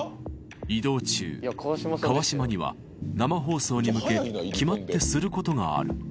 移動中川島には生放送に向け決まってすることがある